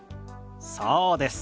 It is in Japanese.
そうです。